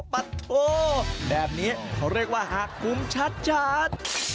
ปัดโทแบบนี้เขาเรียกว่าหากคุ้มชัด